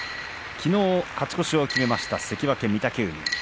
きのう勝ち越しを決めました関脇御嶽海。